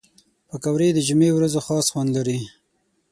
پکورې د جمعې ورځو خاص خوند لري